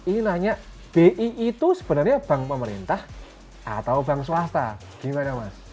ini nanya bi itu sebenarnya bank pemerintah atau bank swasta gimana mas